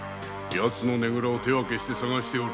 やつのねぐらを手分けして探しておる。